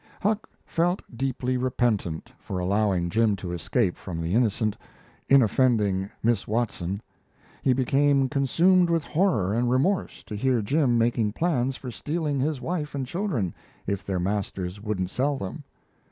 Huck felt deeply repentant for allowing Jim to escape from the innocent, inoffending Miss Watson. He became consumed with horror and remorse to hear Jim making plans for stealing his wife and children, if their masters wouldn't sell them.